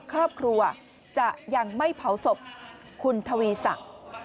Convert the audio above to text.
ครอบครัวจะยังไม่เผาศพคุณทวีศักดิ์